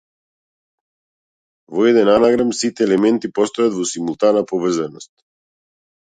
Во еден анаграм сите елементи постојат во симултана поврзаност.